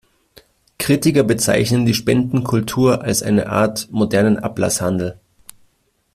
Kritiker bezeichnen die Spendenkultur als eine Art modernen Ablasshandel.